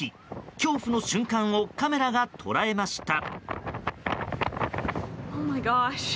恐怖の瞬間をカメラが捉えました。